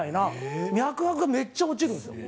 脈拍がめっちゃ落ちるんですよ。